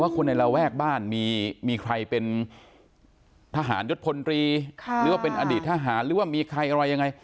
คนในระแวกบ้านมีใครเป็นทหารยศพลตรีหรือว่าเป็นอดีตทหารหรือว่ามีใครอะไรยังไง